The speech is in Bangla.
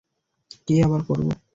কী আবার করব!